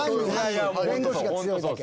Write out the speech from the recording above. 弁護士が強いだけ。